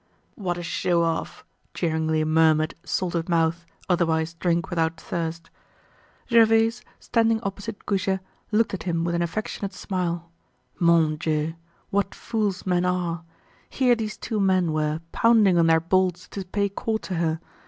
"What a show off!" jeeringly murmured Salted Mouth, otherwise Drink without Thirst. Gervaise, standing opposite Goujet, looked at him with an affectionate smile. Mon Dieu! What fools men are! Here these two men were, pounding on their bolts to pay court to her.